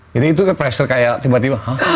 jadi itu ke pressure kayak tiba tiba